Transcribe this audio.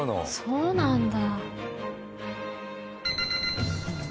そうなんだ。